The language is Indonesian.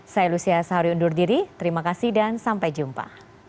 saya lucia sahari undur diri terima kasih dan sampai jumpa